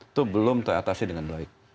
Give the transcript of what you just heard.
itu belum teratasi dengan baik